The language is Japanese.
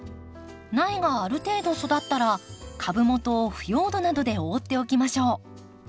苗がある程度育ったら株元を腐葉土などで覆っておきましょう。